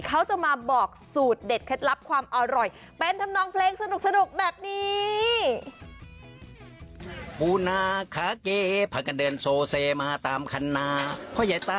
เขาจะมาบอกสูตรเด็ดเคล็ดลับความอร่อย